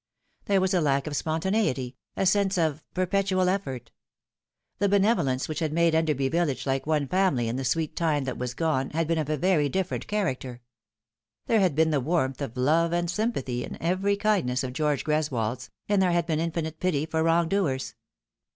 There was a lack of spontaneity, a sense of perpetual effort. The benevo lence which had made Enderby village like one family in the sweet time that was gone had been of a very different character. There Litera Scrlpta Manet. 327 had been the warmth of love and sympathy in every kindness of George Greswold's, and there had been infinite pity for wrong doers.